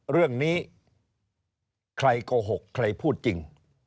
เรื่องนี้ใครโกหกใครพูดจริง